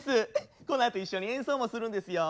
このあと一緒に演奏もするんですよ。